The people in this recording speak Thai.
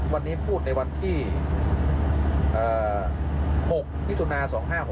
วันนี้พูดในวันที่๖มิถุนา๒๕๖๖